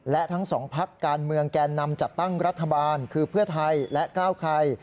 และทั้งสองพักการเมืองแกนนำจัดตั้งรัฐบาลคือเพื่อไทยและก้าวไกร